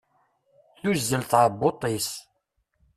Tuzzel tɛebbuḍt-is.